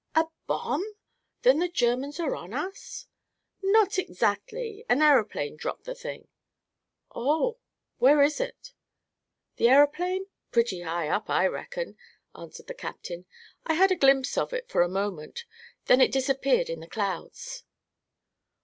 "A bomb! Then the Germans are on us?" "Not exactly. An aeroplane dropped the thing." "Oh. Where is it?" "The aeroplane? Pretty high up, I reckon," answered the captain. "I had a glimpse of it, for a moment; then it disappeared in the clouds."